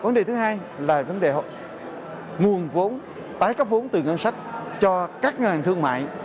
vấn đề thứ hai là vấn đề nguồn vốn tái cấp vốn từ ngân sách cho các ngân hàng thương mại